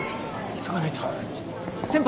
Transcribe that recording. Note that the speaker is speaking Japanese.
急がないと先輩